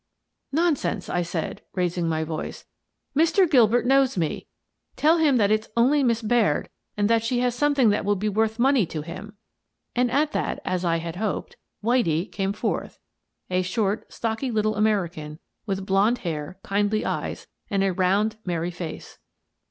"Nonsense," I said, raising my voice. "Mr. Gilbert knows me. Tell him that it is only Miss Baird and that she has something that will be worth money to him." And at that, as I had hoped, "Whitie" came forth — a short, stocky little American with blond hair, kindly eyes, and a round, merry face.